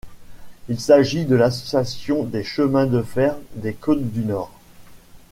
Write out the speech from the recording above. Il s'agit de l'Association des chemins de fer des Côtes-du-Nord.